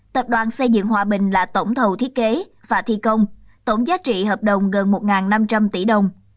tập đoàn xây dựng hòa bình là tổng thầu thiết kế và thi công tổng giá trị hợp đồng gần một năm trăm linh tỷ đồng